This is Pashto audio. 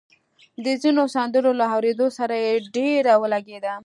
د ځينو سندرو له اورېدو سره يې ډېره ولګېده